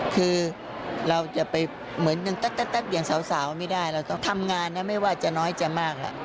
คือเราจะไปเหมือนยังตั๊กอย่างสาวไม่ได้เราต้องทำงานนะไม่ว่าจะน้อยจะมากแล้ว